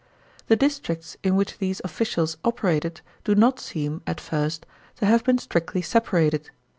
The districts in which these officials operated do not seem, at first, to have been strictly separated.